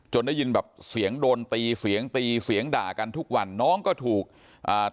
ได้ยินแบบเสียงโดนตีเสียงตีเสียงด่ากันทุกวันน้องก็ถูกอ่า